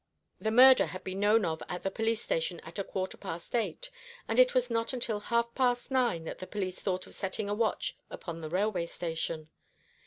The murder had been known of at the police station at a quarter past eight, and it was not until after half past nine that the police thought of setting a watch upon the railway station.